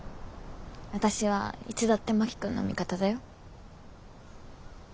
私はいつだって真木君の味方だよ。